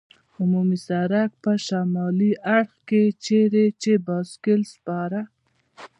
عمومي سړک په شمالي اړخ کې، چېرې چې بایسکل سپاره.